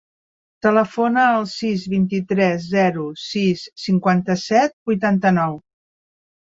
Telefona al sis, vint-i-tres, zero, sis, cinquanta-set, vuitanta-nou.